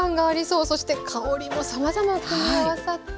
そして香りもさまざま組み合わさっています。